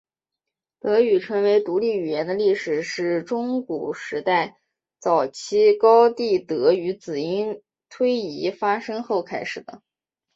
德语成为独立语言的历史是中古时代早期高地德语子音推移发生后开始的。